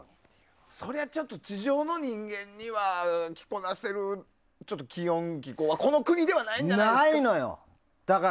そりゃ、ちょっと地上の人間には着こなせる気温や気候ってこの国ではないんじゃないですか。